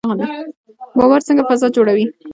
باور څنګه فضا جوړوي؟